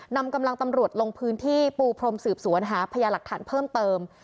นำกำลังตำรวจลงพื้นที่ปูพรมสืบสวนหาพยาหลักฐานเพิ่มเติม